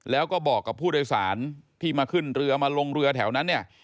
แล้วก็บอกกับผู้โดยสารที่มาขึ้นเรือมาลงเรือแถวนั้นเนี่ย